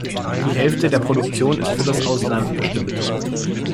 Die Hälfte der Produktion ist für das Ausland bestimmt.